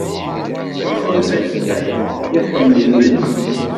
Ameɣlal, d aḥeqqi, iḥemmel lḥeqq.